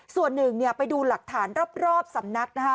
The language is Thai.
ส่วนหนึ่งไปดูหลักฐานรอบสำนักนะคะ